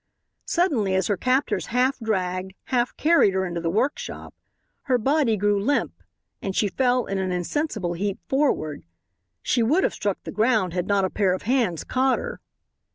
Suddenly, as her captors half dragged, half carried her into the workshop, her body grew limp, and she fell in an insensible heap forward. She would have struck the ground had not a pair of hands caught her.